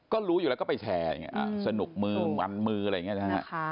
ก็รู้อยู่แล้วก็ไปแชร์สนุกมือมันมืออะไรอย่างนี้นะฮะ